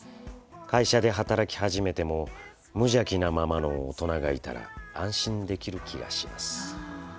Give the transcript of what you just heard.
会社で働き始めても無邪気なままの大人がいたら安心できる気がします」。